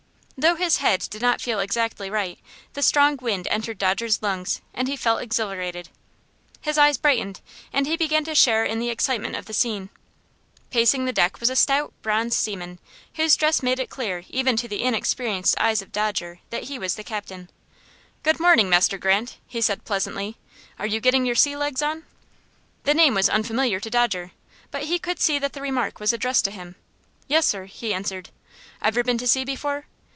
Though his head did not feel exactly right, the strong wind entered Dodger's lungs, and he felt exhilarated. His eyes brightened, and he began to share in the excitement of the scene. Pacing the deck was a stout, bronzed seaman, whose dress made it clear even to the inexperienced eyes of Dodger that he was the captain. "Good morning, Master Grant," he said, pleasantly. "Are you getting your sea legs on?" The name was unfamiliar to Dodger, but he could see that the remark was addressed to him. "Yes, sir," he answered. "Ever been to sea before?"